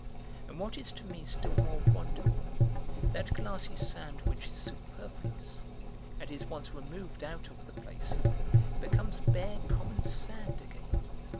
And what is to me still more wonderful, that glassy sand which is superfluous, and is once removed out of the place, becomes bare common sand again.